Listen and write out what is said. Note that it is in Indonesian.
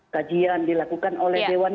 kajian dilakukan oleh dewan